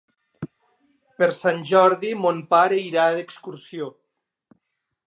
Per Sant Jordi mon pare irà d'excursió.